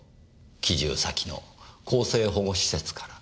帰住先の更生保護施設から。